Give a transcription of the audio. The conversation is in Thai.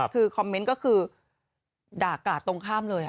คือคอมเมนต์ก็คือด่ากราดตรงข้ามเลย